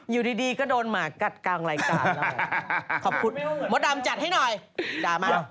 อยู่ดีก็โดนหมากัดกลางรายการเราขอบคุณมดดำจัดให้หน่อยด่ามา